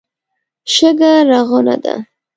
شګه رغونه ده.